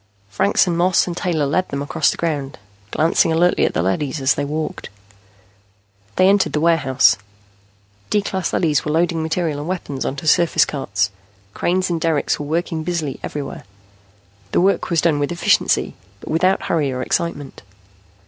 Franks and Moss and Taylor led them across the ground, glancing alertly at the leadys as they walked. They entered the warehouse. D class leadys were loading material and weapons on surface carts. Cranes and derricks were working busily everywhere. The work was done with efficiency, but without hurry or excitement.